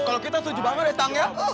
kalau kita soju banget ya tang ya